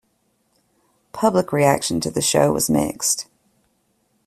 Public reaction to the show was mixed.